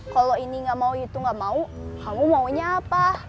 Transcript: kalau ini nggak mau itu gak mau kamu maunya apa